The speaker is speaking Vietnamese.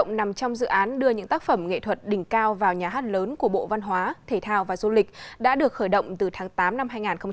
nằm trong dự án đưa những tác phẩm nghệ thuật đỉnh cao vào nhà hát lớn của bộ văn hóa thể thao và du lịch đã được khởi động từ tháng tám năm hai nghìn một mươi tám